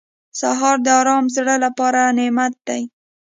سهار د ارام زړه لپاره نعمت دی.